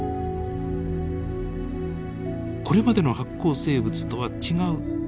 これまでの発光生物とは違うかすかな光。